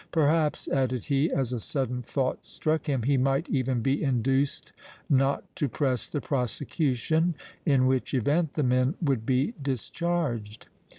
Perhaps," added he, as a sudden thought struck him, "he might even be induced not to press the prosecution, in which event the men would be discharged."